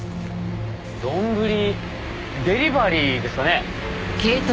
丼デリバリーですかね？